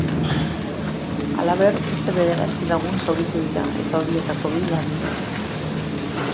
Halaber, beste bederatzi lagun zauritu dira eta horietako bi larri daude.